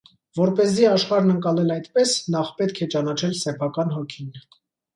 Որպեսզի աշխարհն ընկալել այդպես նախ պետք է ճանաչել սեփական հոգին։